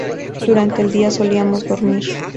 Durante el día solíamos dormir.